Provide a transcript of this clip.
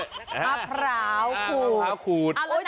มะพร้าวมะพร้าวขูด